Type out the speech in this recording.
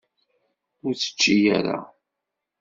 Ur tečči ara.